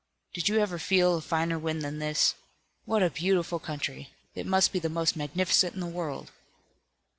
Did you ever feel a finer wind than this? What a beautiful country! It must be the most magnificent in the world!"